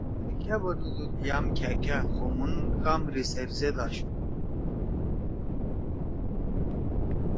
یام کھأ کھأ بنُودُود یام کھأ کھأ! خو مُھون کام ریسرچ زید آشُو۔